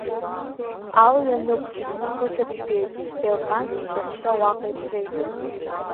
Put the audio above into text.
Алҩа нықәчит, ахысыбжь геит, Ҭелҟан иҵыхәтәа уаҟа иԥҵәеит.